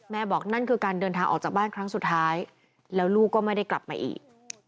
บอกนั่นคือการเดินทางออกจากบ้านครั้งสุดท้ายแล้วลูกก็ไม่ได้กลับมาอีก